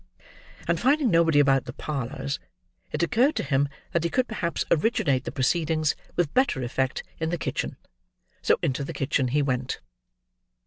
And finding nobody about the parlours, it occurred to him, that he could perhaps originate the proceedings with better effect in the kitchen; so into the kitchen he went.